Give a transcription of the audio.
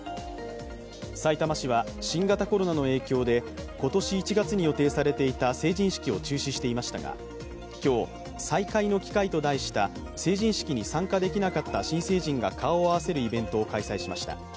さいたま市は新型コロナの影響で今年１月に予定されていた成人式を中止していましたが、今日再会の機会と題した、成人式に参加できなかった新成人が顔を合わせるイベントを開催しました。